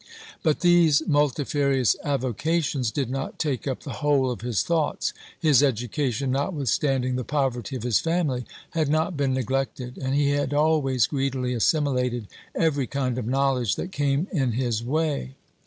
But these multifarious avocations did not take up the whole of his thoughts. His education, notwithstanding the poverty of his family, had not been neglected, and he had always greedily assimilated every kind of knowledge that came in his way.